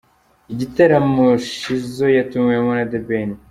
Igitaramo Shizzo yatumiwemo na The Ben.